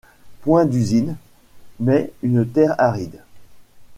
Point d'usine, mais une terre aride.